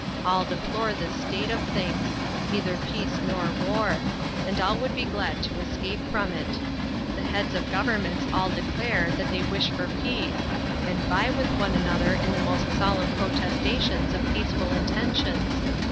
All deplore this state of things neither peace nor war and all would be glad to escape from it. The heads of governments all declare that they all wish for peace, and vie with one another in the most solemn protestations of peaceful intentions.